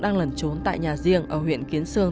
đang lẩn trốn tại nhà riêng ở huyện kiến sương